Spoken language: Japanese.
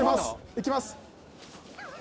いきます。